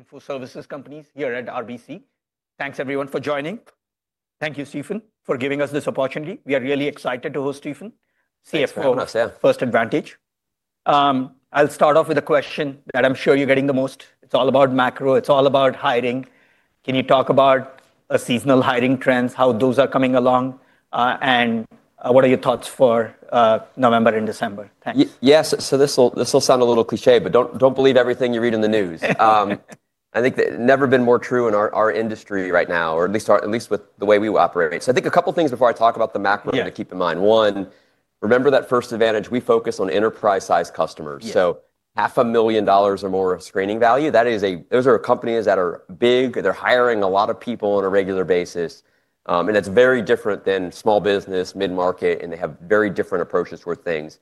Info services companies here at RBC. Thanks, everyone, for joining. Thank you, Steven, for giving us this opportunity. We are really excited to host Steven. CFO, First Advantage. I'll start off with a question that I'm sure you're getting the most. It's all about macro. It's all about hiring. Can you talk about seasonal hiring trends, how those are coming along, and what are your thoughts for November and December? Thanks. Yes. This will sound a little cliché, but don't believe everything you read in the news. I think that has never been more true in our industry right now, or at least with the way we operate. I think a couple of things before I talk about the macro to keep in mind. One, remember that First Advantage, we focus on enterprise-sized customers. So $500,000 or more of screening value, those are companies that are big. They're hiring a lot of people on a regular basis. That's very different than small business, mid-market, and they have very different approaches towards things.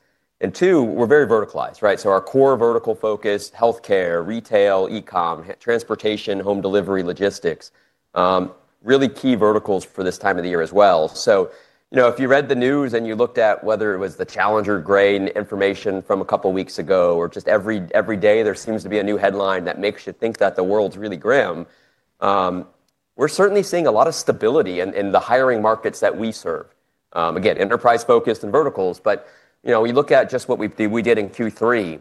Two, we're very verticalized, right? Our core vertical focus, health care, retail, e-com, transportation, home delivery, logistics, really key verticals for this time of the year as well. If you read the news and you looked at whether it was the Challenger, Gray & Christmas information from a couple of weeks ago, or just every day there seems to be a new headline that makes you think that the world's really grim, we're certainly seeing a lot of stability in the hiring markets that we serve. Again, enterprise-focused and verticals. We look at just what we did in Q3.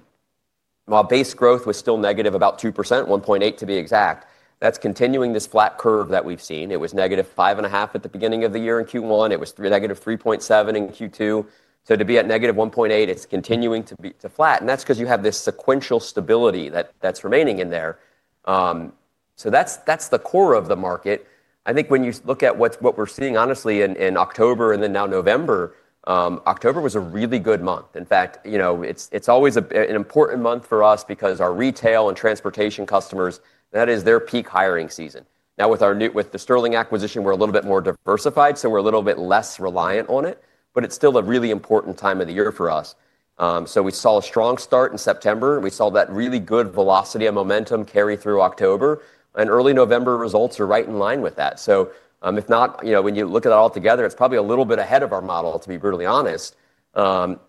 While base growth was still negative about 2%, 1.8% to be exact, that's continuing this flat curve that we've seen. It was negative 5.5% at the beginning of the year in Q1. It was negative 3.7% in Q2. To be at negative 1.8%, it's continuing to flat. That's because you have this sequential stability that's remaining in there. That's the core of the market. I think when you look at what we're seeing, honestly, in October and then now November, October was a really good month. In fact, it's always an important month for us because our retail and transportation customers, that is their peak hiring season. Now, with the Sterling acquisition, we're a little bit more diversified, so we're a little bit less reliant on it. It is still a really important time of the year for us. We saw a strong start in September. We saw that really good velocity and momentum carry through October. Early November results are right in line with that. If not, when you look at it all together, it's probably a little bit ahead of our model, to be brutally honest,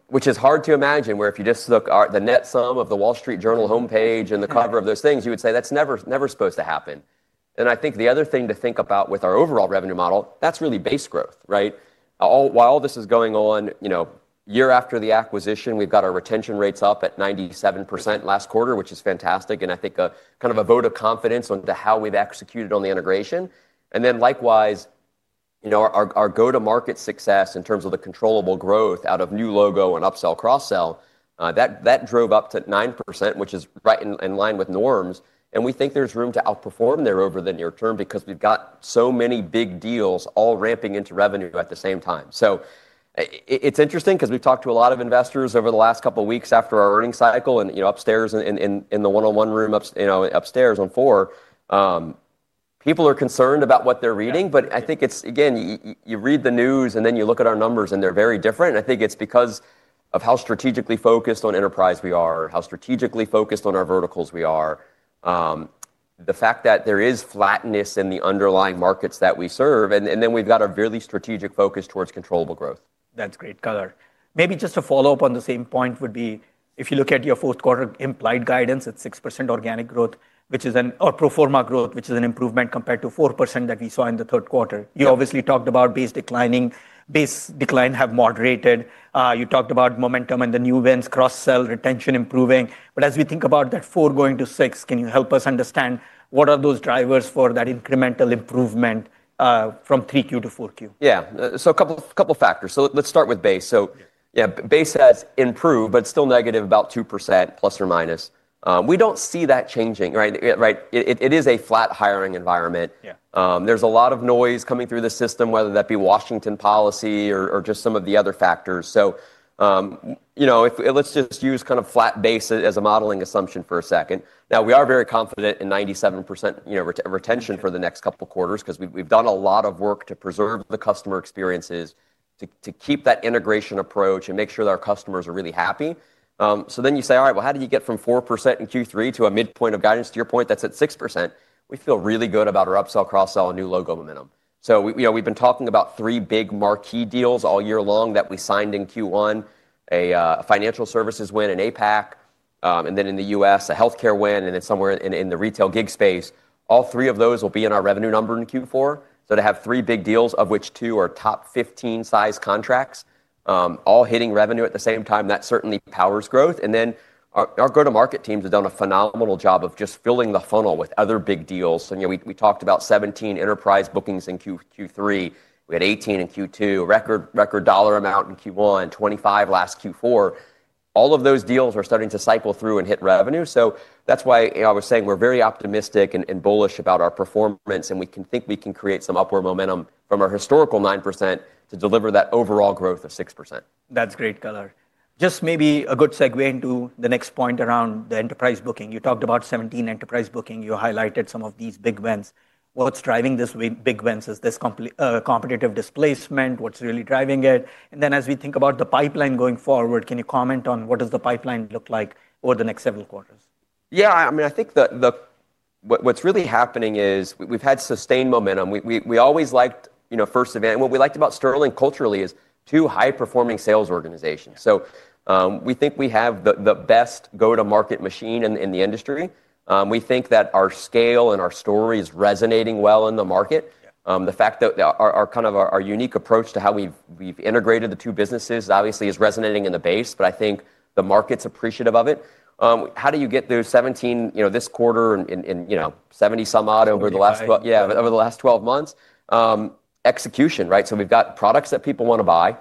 which is hard to imagine where if you just took the net sum of the Wall Street Journal homepage and the cover of those things, you would say that's never supposed to happen. I think the other thing to think about with our overall revenue model, that's really base growth, right? While all this is going on, year after the acquisition, we've got our retention rates up at 97% last quarter, which is fantastic. I think kind of a vote of confidence on how we've executed on the integration. Likewise, our go-to-market success in terms of the controllable growth out of new logo and upsell, cross-sell, that drove up to 9%, which is right in line with norms. We think there's room to outperform there over the near term because we've got so many big deals all ramping into revenue at the same time. It's interesting because we've talked to a lot of investors over the last couple of weeks after our earnings cycle and upstairs in the one-on-one room upstairs on FORE. People are concerned about what they're reading. I think it's, again, you read the news and then you look at our numbers and they're very different. I think it's because of how strategically focused on enterprise we are, how strategically focused on our verticals we are, the fact that there is flatness in the underlying markets that we serve. We've got a really strategic focus towards controllable growth. That's great color. Maybe just to follow up on the same point would be, if you look at your fourth quarter implied guidance, it's 6% organic growth, which is a pro forma growth, which is an improvement compared to 4% that we saw in the third quarter. You obviously talked about base declining, base decline have moderated. You talked about momentum and the new vents, cross-sell, retention improving. As we think about that four going to six, can you help us understand what are those drivers for that incremental improvement from 3Q to 4Q? Yeah. So a couple of factors. Let's start with base. Yeah, base has improved, but it's still negative about 2%, plus or minus. We don't see that changing, right? It is a flat hiring environment. There's a lot of noise coming through the system, whether that be Washington policy or just some of the other factors. Let's just use kind of flat base as a modeling assumption for a second. Now, we are very confident in 97% retention for the next couple of quarters because we've done a lot of work to preserve the customer experiences, to keep that integration approach and make sure that our customers are really happy. So then you say, all right, how did you get from 4% in Q3 to a midpoint of guidance? To your point, that's at 6%. We feel really good about our upsell, cross-sell, and new logo momentum. We have been talking about three big marquee deals all year long that we signed in Q1, a financial services win, an APAC, and then in the U.S., a health care win, and then somewhere in the retail gig space. All three of those will be in our revenue number in Q4. To have three big deals, of which two are top 15 size contracts, all hitting revenue at the same time, that certainly powers growth. Our go-to-market teams have done a phenomenal job of just filling the funnel with other big deals. We talked about 17 enterprise bookings in Q3. We had 18 in Q2, record dollar amount in Q1, 25 last Q4. All of those deals are starting to cycle through and hit revenue. That is why I was saying we're very optimistic and bullish about our performance. We think we can create some upward momentum from our historical 9% to deliver that overall growth of 6%. That's great color. Just maybe a good segue into the next point around the enterprise booking. You talked about 17 enterprise booking. You highlighted some of these big events. What's driving these big events? Is this competitive displacement? What's really driving it? As we think about the pipeline going forward, can you comment on what does the pipeline look like over the next several quarters? Yeah. I mean, I think what's really happening is we've had sustained momentum. We always liked First Advantage. What we liked about Sterling culturally is two high-performing sales organizations. We think we have the best go-to-market machine in the industry. We think that our scale and our story is resonating well in the market. The fact that kind of our unique approach to how we've integrated the two businesses obviously is resonating in the base. I think the market's appreciative of it. How do you get those 17 this quarter and 70 some odd over the last 12? 12. Yeah, over the last 12 months? Execution, right? So we've got products that people want to buy.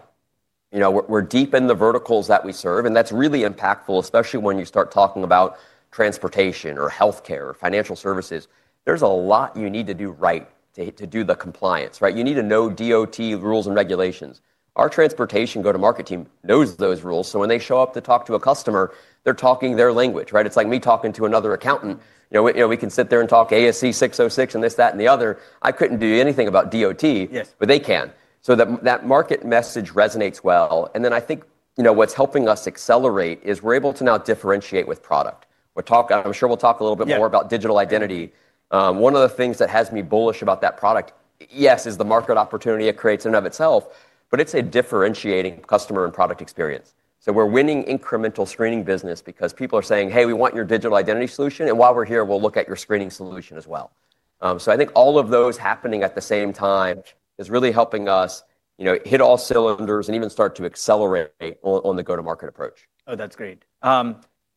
We're deep in the verticals that we serve. That's really impactful, especially when you start talking about transportation or health care or financial services. There's a lot you need to do right to do the compliance, right? You need to know DOT rules and regulations. Our transportation go-to-market team knows those rules. When they show up to talk to a customer, they're talking their language, right? It's like me talking to another accountant. We can sit there and talk ASC 606 and this, that, and the other. I couldn't do anything about DOT, but they can. That market message resonates well. I think what's helping us accelerate is we're able to now differentiate with product. I'm sure we'll talk a little bit more about digital identity. One of the things that has me bullish about that product, yes, is the market opportunity it creates in and of itself. It is a differentiating customer and product experience. We are winning incremental screening business because people are saying, hey, we want your digital identity solution. While we are here, we will look at your screening solution as well. I think all of those happening at the same time is really helping us hit all cylinders and even start to accelerate on the go-to-market approach. Oh, that's great.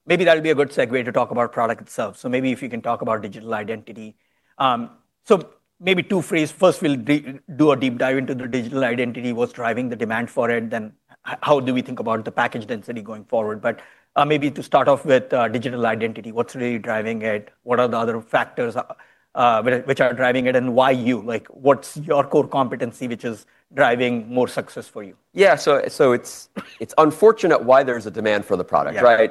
Maybe that would be a good segue to talk about product itself. Maybe if you can talk about digital identity. Maybe two phrases. First, we'll do a deep dive into the digital identity, what's driving the demand for it. Then how do we think about the package density going forward. Maybe to start off with digital identity, what's really driving it? What are the other factors which are driving it? Why you? What's your core competency which is driving more success for you? Yeah. It's unfortunate why there's a demand for the product, right?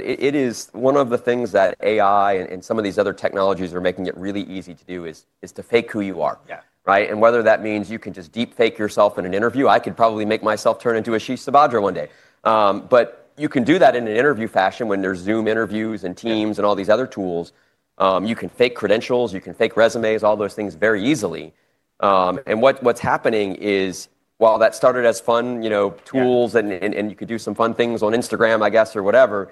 It is one of the things that AI and some of these other technologies are making really easy to do is to fake who you are, right? Whether that means you can just deepfake yourself in an interview, I could probably make myself turn into a Sheesh Sabajra one day. You can do that in an interview fashion when there's Zoom interviews and Teams and all these other tools. You can fake credentials. You can fake resumes, all those things very easily. What's happening is while that started as fun tools and you could do some fun things on Instagram, I guess, or whatever,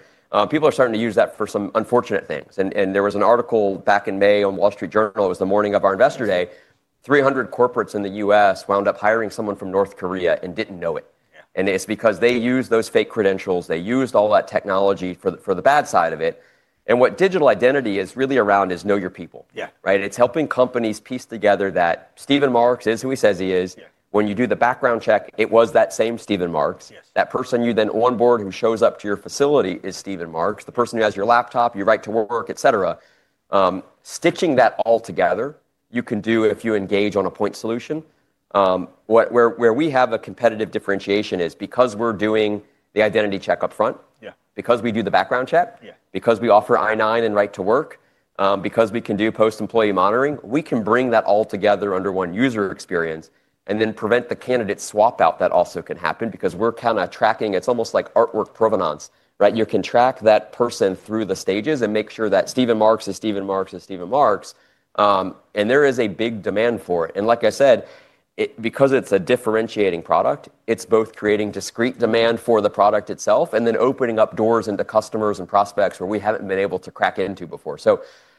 people are starting to use that for some unfortunate things. There was an article back in May on Wall Street Journal. It was the morning of our investor day. Three hundred corporates in the U.S. wound up hiring someone from North Korea and did not know it. It is because they used those fake credentials. They used all that technology for the bad side of it. What digital identity is really around is know your people, right? It is helping companies piece together that Steven Marks is who he says he is. When you do the background check, it was that same Steven Marks. That person you then onboard who shows up to your facility is Steven Marks, the person who has your laptop, your right to work, et cetera. Stitching that all together, you can do if you engage on a point solution. Where we have a competitive differentiation is because we're doing the identity check upfront, because we do the background check, because we offer I-9 and right to work, because we can do post-employee monitoring, we can bring that all together under one user experience and then prevent the candidate swap out that also can happen because we're kind of tracking. It's almost like artwork provenance, right? You can track that person through the stages and make sure that Steven Marks is Steven Marks is Steven Marks. There is a big demand for it. Like I said, because it's a differentiating product, it's both creating discrete demand for the product itself and then opening up doors into customers and prospects where we haven't been able to crack into before.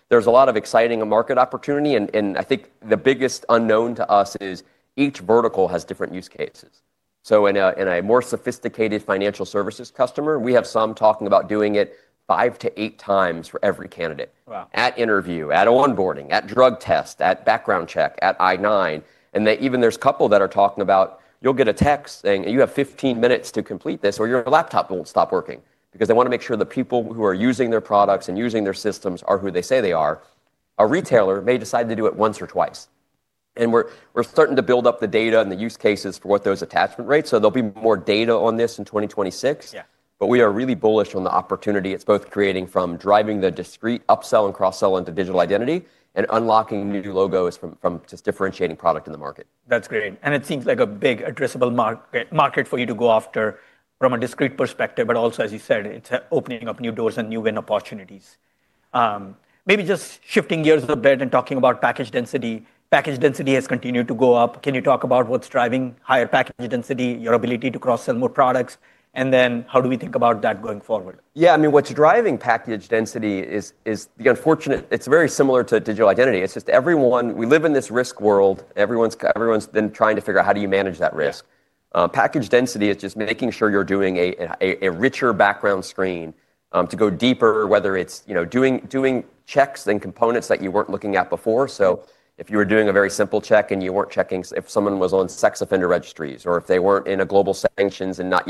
There is a lot of exciting market opportunity. I think the biggest unknown to us is each vertical has different use cases. In a more sophisticated financial services customer, we have some talking about doing it five to eight times for every candidate at interview, at onboarding, at drug test, at background check, at I-9. Even there's a couple that are talking about you'll get a text saying you have 15 minutes to complete this or your laptop won't stop working because they want to make sure the people who are using their products and using their systems are who they say they are. A retailer may decide to do it once or twice. We're starting to build up the data and the use cases for what those attachment rates are. There will be more data on this in 2026. We are really bullish on the opportunity it's both creating from driving the discrete upsell and cross-sell into digital identity and unlocking new logos from just differentiating product in the market. That's great. It seems like a big addressable market for you to go after from a discrete perspective. Also, as you said, it's opening up new doors and new win opportunities. Maybe just shifting gears a bit and talking about package density. Package density has continued to go up. Can you talk about what's driving higher package density, your ability to cross-sell more products? How do we think about that going forward? Yeah. I mean, what's driving package density is the unfortunate it's very similar to digital identity. It's just everyone we live in this risk world. Everyone's been trying to figure out how do you manage that risk. Package density is just making sure you're doing a richer background screen to go deeper, whether it's doing checks and components that you weren't looking at before. So if you were doing a very simple check and you weren't checking if someone was on sex offender registries or if they weren't in a global sanctions and not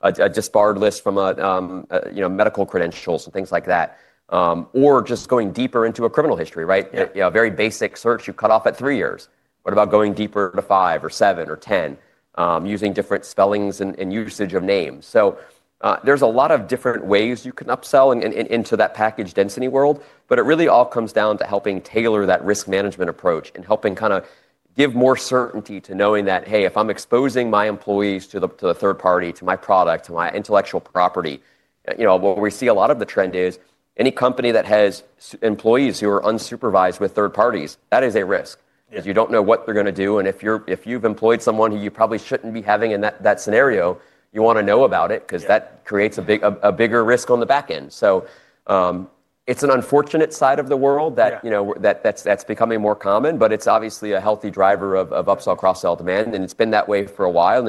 a disbarred list from medical credentials and things like that, or just going deeper into a criminal history, right? A very basic search, you cut off at three years. What about going deeper to five or seven or ten using different spellings and usage of names? There are a lot of different ways you can upsell into that package density world. It really all comes down to helping tailor that risk management approach and helping kind of give more certainty to knowing that, hey, if I'm exposing my employees to the third party, to my product, to my intellectual property, what we see a lot of the trend is any company that has employees who are unsupervised with third parties, that is a risk because you don't know what they're going to do. If you've employed someone who you probably shouldn't be having in that scenario, you want to know about it because that creates a bigger risk on the back end. It's an unfortunate side of the world that's becoming more common. It's obviously a healthy driver of upsell, cross-sell demand. It's been that way for a while.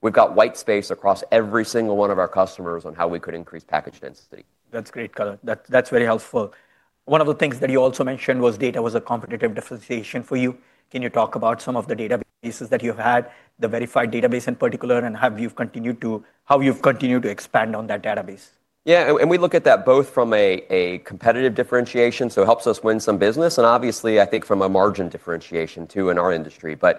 We have white space across every single one of our customers on how we could increase package density. That's great color. That's very helpful. One of the things that you also mentioned was data was a competitive differentiation for you. Can you talk about some of the databases that you've had, the Verified database in particular, and how you've continued to expand on that database? Yeah. We look at that both from a competitive differentiation. It helps us win some business. Obviously, I think from a margin differentiation too in our industry. There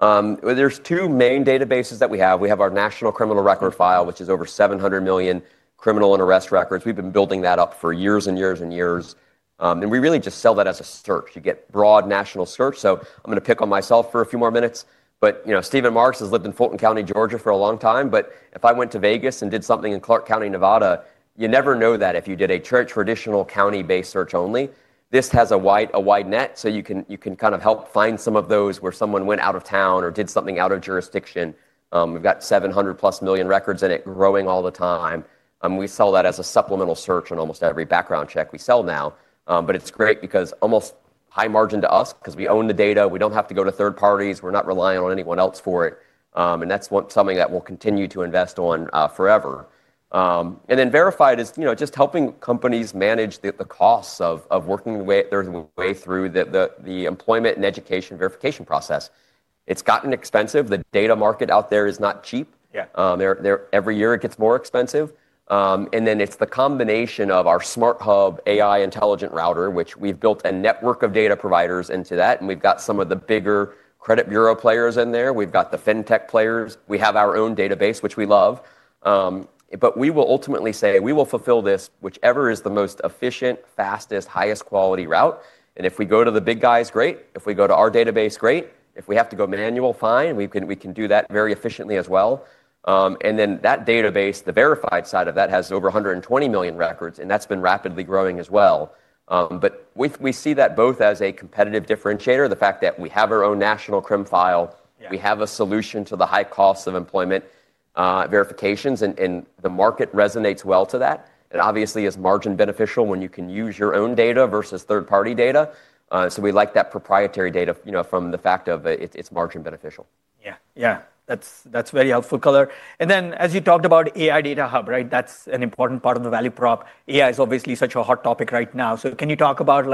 are two main databases that we have. We have our National Criminal Record File, which is over 700 million criminal and arrest records. We've been building that up for years and years and years. We really just sell that as a search. You get broad national search. I'm going to pick on myself for a few more minutes. Steven Marks has lived in Fulton County, Georgia for a long time. If I went to Vegas and did something in Clark County, Nevada, you never know that if you did a traditional county-based search only. This has a wide net. You can kind of help find some of those where someone went out of town or did something out of jurisdiction. We have 700 million plus records in it, growing all the time. We sell that as a supplemental search on almost every background check we sell now. It is great because it is almost high margin to us because we own the data. We do not have to go to third parties. We are not relying on anyone else for it. That is something that we will continue to invest in forever. Verified is just helping companies manage the costs of working their way through the employment and education verification process. It has gotten expensive. The data market out there is not cheap. Every year it gets more expensive. It is the combination of our Smart Hub, AI intelligent router, which we have built a network of data providers into that. We have some of the bigger credit bureau players in there. We have the fintech players. We have our own database, which we love. We will ultimately say we will fulfill this, whichever is the most efficient, fastest, highest quality route. If we go to the big guys, great. If we go to our database, great. If we have to go manual, fine. We can do that very efficiently as well. That database, the Verified side of that, has over 120 million records. That has been rapidly growing as well. We see that both as a competitive differentiator, the fact that we have our own National Crim File. We have a solution to the high cost of employment verifications. The market resonates well to that. It obviously is margin beneficial when you can use your own data versus third party data. We like that proprietary data from the fact of it's margin beneficial. Yeah. Yeah. That's very helpful color. As you talked about AI Data Hub, right? That's an important part of the value prop. AI is obviously such a hot topic right now. Can you talk about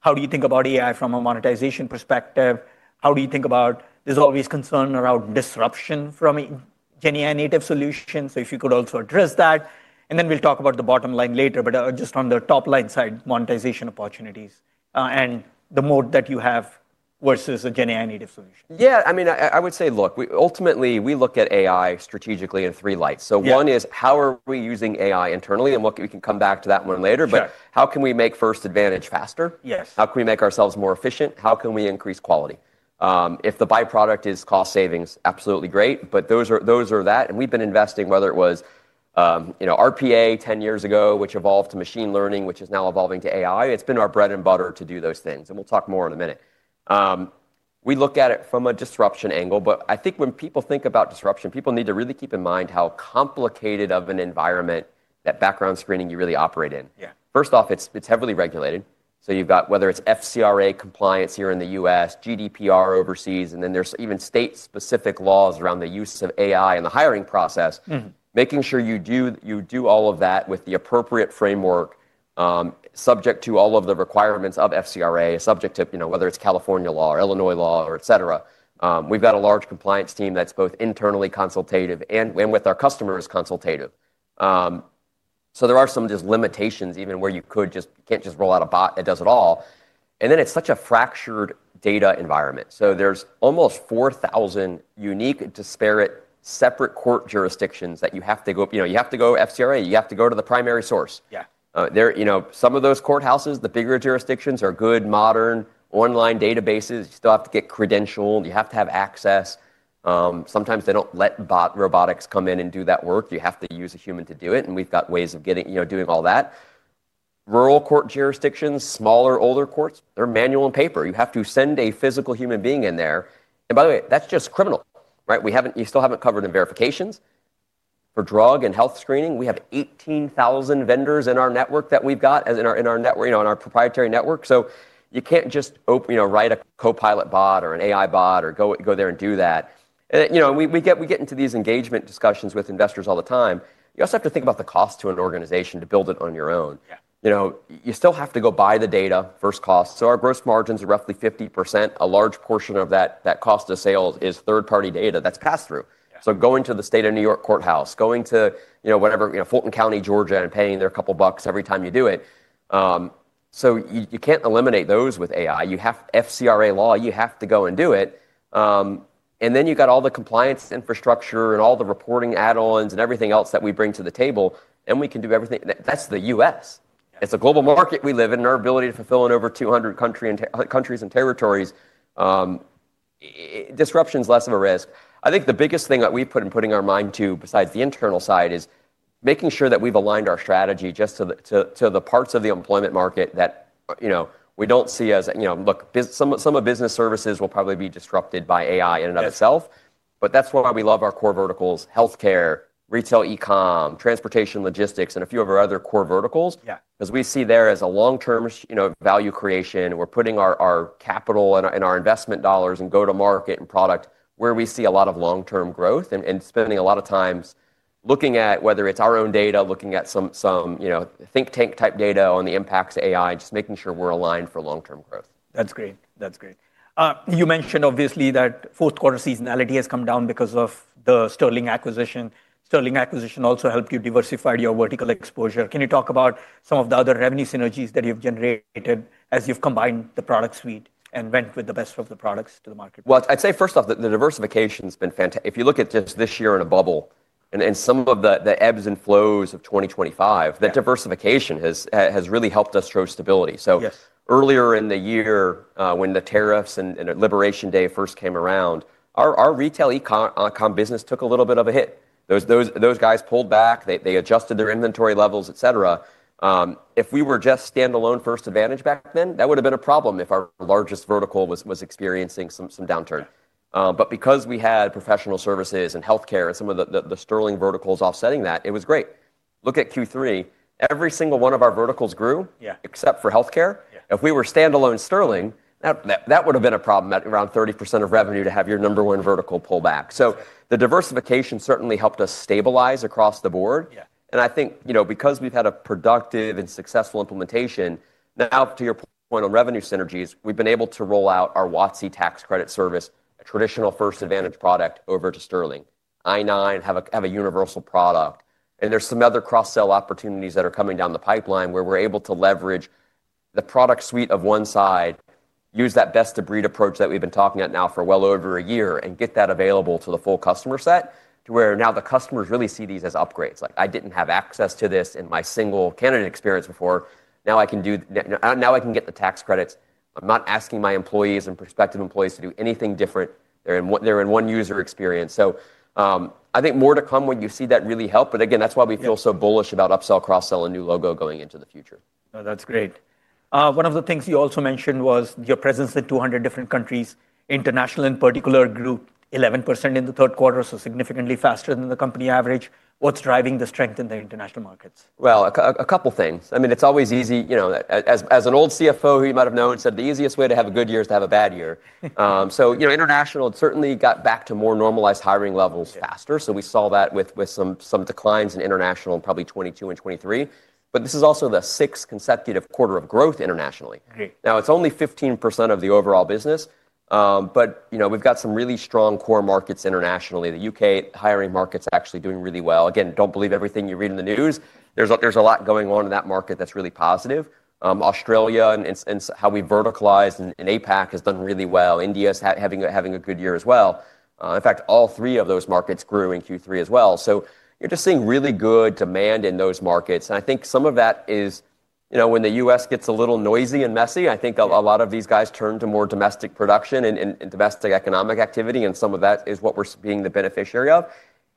how do you think about AI from a monetization perspective? How do you think about there's always concern around disruption from Gen AI native solutions? If you could also address that. We will talk about the bottom line later. Just on the top line side, monetization opportunities and the moat that you have versus a Gen AI native solution. Yeah. I mean, I would say, look, ultimately we look at AI strategically in three lights. One is how are we using AI internally? We can come back to that one later. How can we make First Advantage faster? How can we make ourselves more efficient? How can we increase quality? If the byproduct is cost savings, absolutely great. Those are that. We've been investing, whether it was RPA 10 years ago, which evolved to machine learning, which is now evolving to AI. It's been our bread and butter to do those things. We'll talk more in a minute. We look at it from a disruption angle. I think when people think about disruption, people need to really keep in mind how complicated of an environment that background screening you really operate in. First off, it's heavily regulated. You've got whether it's FCRA compliance here in the U.S., GDPR overseas. There are even state-specific laws around the use of AI in the hiring process, making sure you do all of that with the appropriate framework subject to all of the requirements of FCRA, subject to whether it's California law or Illinois law, et cetera. We've got a large compliance team that's both internally consultative and with our customers consultative. There are some just limitations even where you can't just roll out a bot that does it all. It's such a fractured data environment. There are almost 4,000 unique disparate separate court jurisdictions that you have to go, you have to go FCRA. You have to go to the primary source. Some of those courthouses, the bigger jurisdictions, are good, modern, online databases. You still have to get credentialed. You have to have access. Sometimes they don't let bot robotics come in and do that work. You have to use a human to do it. We have ways of doing all that. Rural court jurisdictions, smaller older courts, they're manual and paper. You have to send a physical human being in there. By the way, that's just criminal, right? You still haven't covered in verifications. For drug and health screening, we have 18,000 vendors in our network that we've got in our proprietary network. You can't just write a copilot bot or an AI bot or go there and do that. We get into these engagement discussions with investors all the time. You also have to think about the cost to an organization to build it on your own. You still have to go buy the data first cost. Our gross margins are roughly 50%. A large portion of that cost of sales is third party data that's passed through. Going to the state of New York courthouse, going to whatever, Fulton County, Georgia, and paying their couple bucks every time you do it. You can't eliminate those with AI. You have FCRA law. You have to go and do it. You have all the compliance infrastructure and all the reporting add-ons and everything else that we bring to the table. We can do everything. That's the U.S. It's a global market we live in and our ability to fulfill in over 200 countries and territories. Disruption is less of a risk. I think the biggest thing that we've put in putting our mind to besides the internal side is making sure that we've aligned our strategy just to the parts of the employment market that we don't see as look, some of business services will probably be disrupted by AI in and of itself. That is why we love our core verticals: healthcare, retail, e-com, transportation, logistics, and a few of our other core verticals because we see there as a long-term value creation. We're putting our capital and our investment dollars and go-to-market and product where we see a lot of long-term growth and spending a lot of time looking at whether it's our own data, looking at some think tank type data on the impacts of AI, just making sure we're aligned for long-term growth. That's great. That's great. You mentioned obviously that fourth quarter seasonality has come down because of the Sterling acquisition. Sterling acquisition also helped you diversify your vertical exposure. Can you talk about some of the other revenue synergies that you've generated as you've combined the product suite and went with the best of the products to the market? I'd say first off, the diversification has been fantastic. If you look at just this year in a bubble and some of the ebbs and flows of 2025, that diversification has really helped us show stability. Earlier in the year when the tariffs and Liberation Day first came around, our retail e-com business took a little bit of a hit. Those guys pulled back. They adjusted their inventory levels, et cetera. If we were just standalone First Advantage back then, that would have been a problem if our largest vertical was experiencing some downturn. Because we had professional services and healthcare and some of the Sterling verticals offsetting that, it was great. Look at Q3. Every single one of our verticals grew except for healthcare. If we were standalone Sterling, that would have been a problem at around 30% of revenue to have your number one vertical pull back. The diversification certainly helped us stabilize across the board. I think because we've had a productive and successful implementation, now to your point on revenue synergies, we've been able to roll out our WOTC tax credit service, a traditional First Advantage product, over to Sterling, I-9, have a universal product. There are some other cross-sell opportunities that are coming down the pipeline where we're able to leverage the product suite of one side, use that best of breed approach that we've been talking about now for well over a year, and get that available to the full customer set to where now the customers really see these as upgrades. Like I didn't have access to this in my single candidate experience before. Now I can get the tax credits. I'm not asking my employees and prospective employees to do anything different. They're in one user experience. I think more to come when you see that really help. Again, that's why we feel so bullish about upsell, cross-sell, and new logo going into the future. No, that's great. One of the things you also mentioned was your presence in 200 different countries, international in particular, grew 11% in the third quarter, so significantly faster than the company average. What's driving the strength in the international markets? A couple of things. I mean, it's always easy. As an old CFO who you might have known, he said the easiest way to have a good year is to have a bad year. International certainly got back to more normalized hiring levels faster. We saw that with some declines in international in probably 2022 and 2023. This is also the sixth consecutive quarter of growth internationally. Now it's only 15% of the overall business. We've got some really strong core markets internationally. The U.K. hiring market's actually doing really well. Again, don't believe everything you read in the news. There's a lot going on in that market that's really positive. Australia and how we verticalized and APAC has done really well. India is having a good year as well. In fact, all three of those markets grew in Q3 as well. You're just seeing really good demand in those markets. I think some of that is when the U.S. gets a little noisy and messy, a lot of these guys turn to more domestic production and domestic economic activity. Some of that is what we're being the beneficiary of.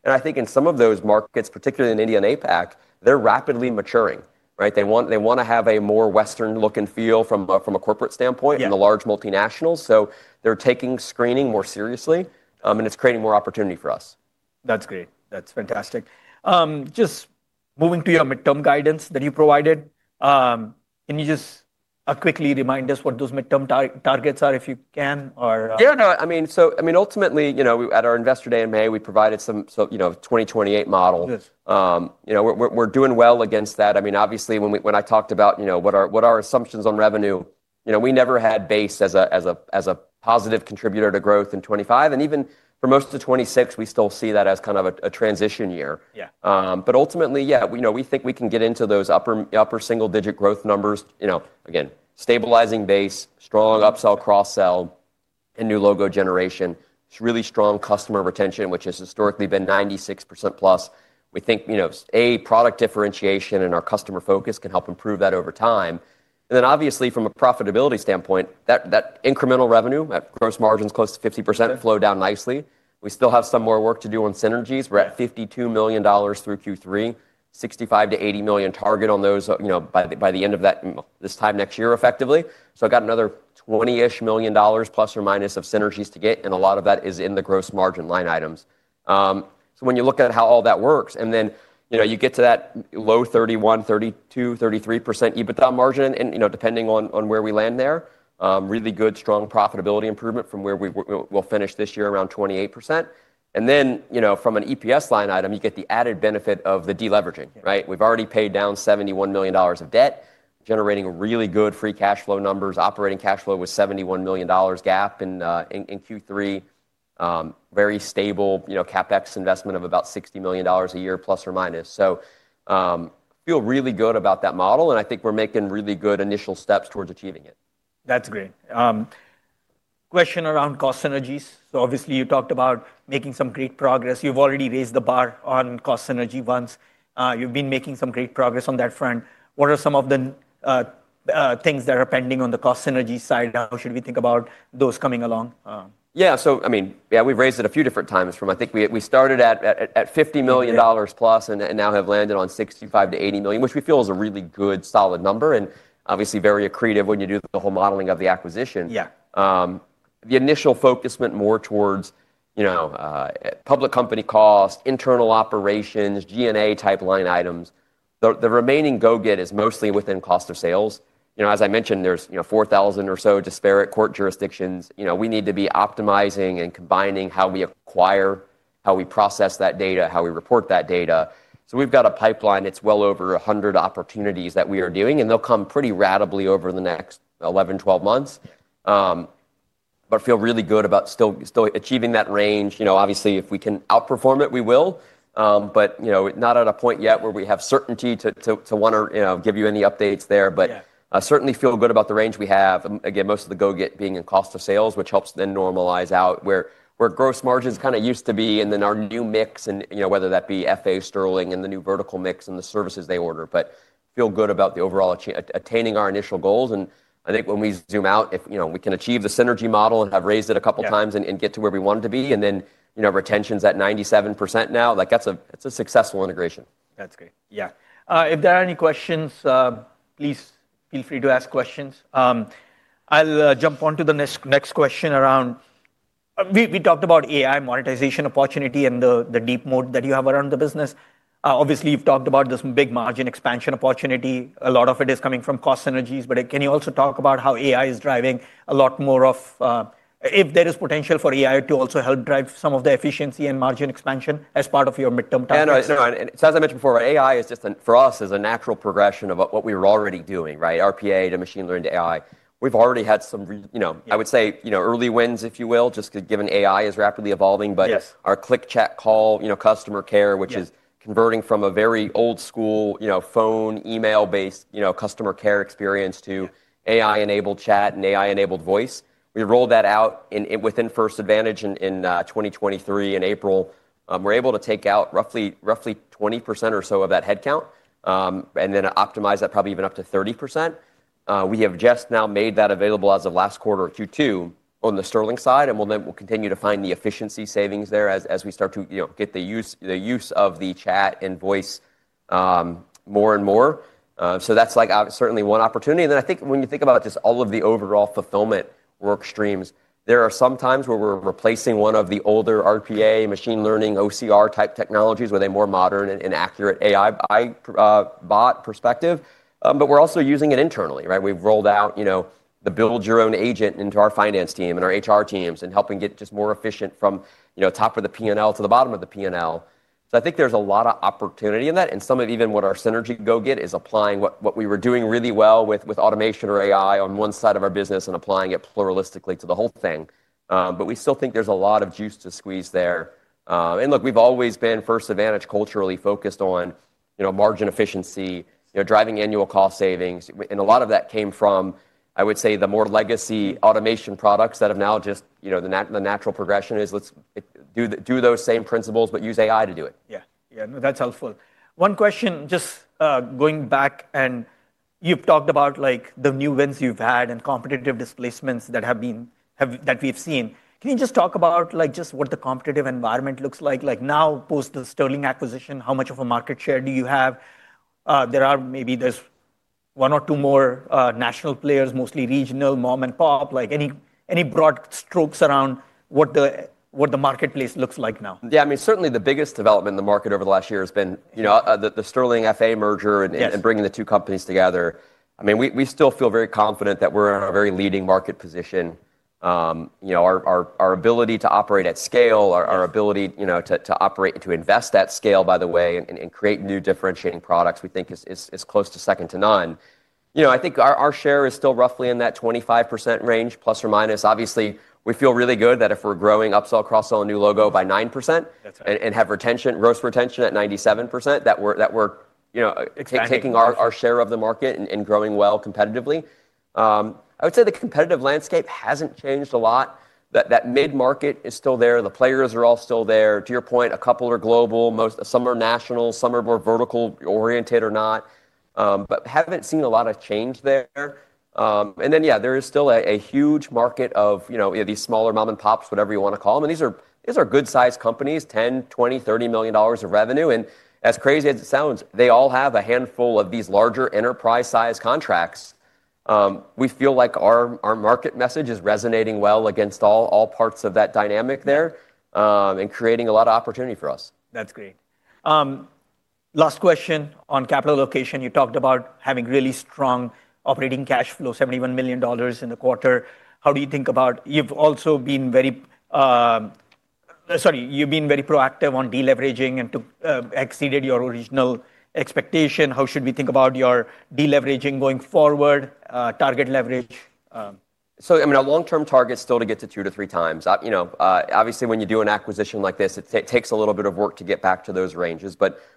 I think in some of those markets, particularly in India and APAC, they're rapidly maturing. They want to have a more Western look and feel from a corporate standpoint in the large multinationals. They're taking screening more seriously. It's creating more opportunity for us. That's great. That's fantastic. Just moving to your midterm guidance that you provided. Can you just quickly remind us what those midterm targets are if you can? Yeah. No. I mean, ultimately at our investor day in May, we provided some 2028 model. We're doing well against that. I mean, obviously when I talked about what are our assumptions on revenue, we never had base as a positive contributor to growth in 2025. Even for most of 2026, we still see that as kind of a transition year. Ultimately, yeah, we think we can get into those upper single digit growth numbers. Again, stabilizing base, strong upsell, cross-sell, and new logo generation. It's really strong customer retention, which has historically been 96% plus. We think A, product differentiation and our customer focus can help improve that over time. Obviously from a profitability standpoint, that incremental revenue, that gross margins close to 50% flow down nicely. We still have some more work to do on synergies. We're at $52 million through Q3, $65 million-$80 million target by the end of this time next year effectively. I've got another $20-ish million plus or minus of synergies to get. A lot of that is in the gross margin line items. When you look at how all that works, and then you get to that low 31%-33% EBITDA margin, depending on where we land there, really good strong profitability improvement from where we'll finish this year around 28%. From an EPS line item, you get the added benefit of the deleveraging. We've already paid down $71 million of debt, generating really good free cash flow numbers, operating cash flow with $71 million gap in Q3, very stable CapEx investment of about $60 million a year plus or minus. I feel really good about that model. I think we're making really good initial steps towards achieving it. That's great. Question around cost synergies. Obviously you talked about making some great progress. You've already raised the bar on cost synergy once. You've been making some great progress on that front. What are some of the things that are pending on the cost synergy side? How should we think about those coming along? Yeah. I mean, yeah, we've raised it a few different times from I think we started at $50 million+ and now have landed on $65 million-$80 million, which we feel is a really good solid number and obviously very accretive when you do the whole modeling of the acquisition. The initial focus went more towards public company costs, internal operations, G&A type line items. The remaining go get is mostly within cost of sales. As I mentioned, there are 4,000 or so disparate court jurisdictions. We need to be optimizing and combining how we acquire, how we process that data, how we report that data. We've got a pipeline. It's well over 100 opportunities that we are doing. They'll come pretty ratably over the next 11, 12 months. I feel really good about still achieving that range. Obviously, if we can outperform it, we will. Not at a point yet where we have certainty to want to give you any updates there. Certainly feel good about the range we have. Again, most of the go get being in cost of sales, which helps then normalize out where gross margins kind of used to be and then our new mix and whether that be FA Sterling and the new vertical mix and the services they order. Feel good about the overall attaining our initial goals. I think when we zoom out, if we can achieve the synergy model and have raised it a couple of times and get to where we wanted to be and then retention's at 97% now, that's a successful integration. That's great. Yeah. If there are any questions, please feel free to ask questions. I'll jump on to the next question around we talked about AI monetization opportunity and the deep moat that you have around the business. Obviously, you've talked about this big margin expansion opportunity. A lot of it is coming from cost synergies. Can you also talk about how AI is driving a lot more of if there is potential for AI to also help drive some of the efficiency and margin expansion as part of your midterm targets? Yeah. No. As I mentioned before, AI is just for us a natural progression of what we were already doing, right? RPA to machine learning to AI. We've already had some, I would say, early wins, if you will, just given AI is rapidly evolving. Our click chat call customer care, which is converting from a very old school phone email-based customer care experience to AI-enabled chat and AI-enabled voice. We rolled that out within First Advantage in 2023 in April. We're able to take out roughly 20% or so of that headcount and then optimize that probably even up to 30%. We have just now made that available as of last quarter of Q2 on the Sterling side. We will continue to find the efficiency savings there as we start to get the use of the chat and voice more and more. That is certainly one opportunity. I think when you think about just all of the overall fulfillment work streams, there are some times where we're replacing one of the older RPA, machine learning, OCR type technologies with a more modern and accurate AI bot perspective. We're also using it internally. We've rolled out the build your own agent into our finance team and our HR teams and helping get just more efficient from top of the P&L to the bottom of the P&L. I think there's a lot of opportunity in that. Some of even what our synergy go get is applying what we were doing really well with automation or AI on one side of our business and applying it pluralistically to the whole thing. We still think there's a lot of juice to squeeze there. Look, we've always been First Advantage culturally focused on margin efficiency, driving annual cost savings. A lot of that came from, I would say, the more legacy automation products that have now just the natural progression is let's do those same principles, but use AI to do it. Yeah. Yeah. No, that's helpful. One question just going back, and you've talked about the new wins you've had and competitive displacements that we've seen. Can you just talk about just what the competitive environment looks like now post the Sterling acquisition? How much of a market share do you have? There are maybe there's one or two more national players, mostly regional mom and pop. Any broad strokes around what the marketplace looks like now? Yeah. I mean, certainly the biggest development in the market over the last year has been the Sterling FA merger and bringing the two companies together. I mean, we still feel very confident that we're in our very leading market position. Our ability to operate at scale, our ability to operate and to invest at scale, by the way, and create new differentiating products we think is close to second to none. I think our share is still roughly in that 25% range plus or minus. Obviously, we feel really good that if we're growing upsell, cross-sell, and new logo by 9% and have gross retention at 97%, that we're taking our share of the market and growing well competitively. I would say the competitive landscape hasn't changed a lot. That mid-market is still there. The players are all still there. To your point, a couple are global. Some are national. Some are more vertical oriented or not. I have not seen a lot of change there. Yeah, there is still a huge market of these smaller mom and pops, whatever you want to call them. These are good-sized companies, $10 million, $20 million, $30 million of revenue. As crazy as it sounds, they all have a handful of these larger enterprise-sized contracts. We feel like our market message is resonating well against all parts of that dynamic there and creating a lot of opportunity for us. That's great. Last question on capital allocation. You talked about having really strong operating cash flow, $71 million in the quarter. How do you think about, you've also been very proactive on deleveraging and exceeded your original expectation. How should we think about your deleveraging going forward, target leverage? I mean, our long-term target's still to get to two to three times. Obviously, when you do an acquisition like this, it takes a little bit of work to get back to those ranges.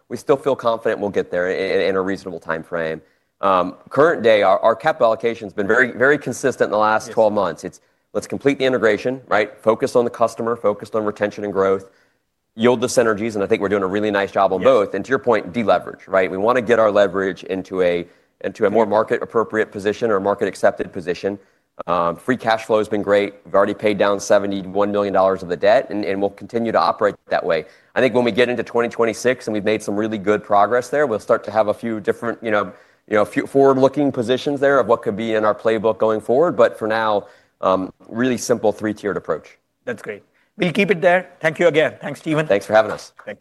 We still feel confident we'll get there in a reasonable time frame. Current day, our capital allocation has been very consistent in the last 12 months. It's let's complete the integration, focus on the customer, focus on retention and growth, yield the synergies. I think we're doing a really nice job on both. To your point, deleverage. We want to get our leverage into a more market-appropriate position or a market-accepted position. Free cash flow has been great. We've already paid down $71 million of the debt. We'll continue to operate that way. I think when we get into 2026 and we've made some really good progress there, we'll start to have a few different forward-looking positions there of what could be in our playbook going forward. For now, really simple three-tiered approach. That's great. We'll keep it there. Thank you again. Thanks, Steven. Thanks for having us. Thanks.